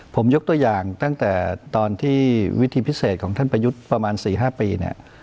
ผมยกตัวอย่างตั้งแต่ตอนที่วิธีพิเศษของท่านประยุทธ์ประมาณ๔๕ปีเนี่ย